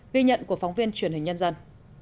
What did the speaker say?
ghi nhận của phóng viên truyền hình nhân dân